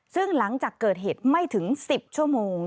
ซึ่งหลังจากเกิดเหตุไม่ถึง๑๐ชั่วโมง